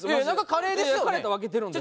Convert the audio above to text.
カレーやったら分けてるんで。